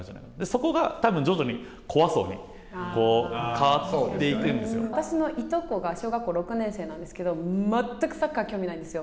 そこがたぶん徐々にコア層に変わ私のいとこが小学校６年生なんですけれども、全くサッカーに興味がないんですよ。